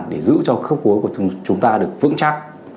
để giữ cho khớp cuối của chúng ta được vững chắc